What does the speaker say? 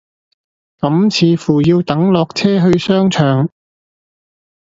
咁似乎要等落車去商場